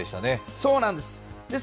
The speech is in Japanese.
そうなんです。